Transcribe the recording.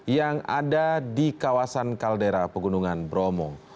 yang ada di kawasan kaldera pegunungan bromo